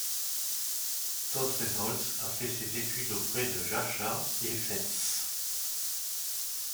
Todd Reynolds a fait ses études auprès de Jascha Heifetz.